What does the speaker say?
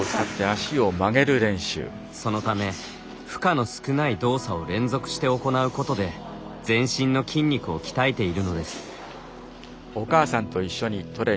そのため負荷の少ない動作を連続して行うことで全身の筋肉を鍛えているのです。